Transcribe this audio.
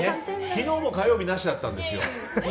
昨日も火曜日はなしだったんですよ。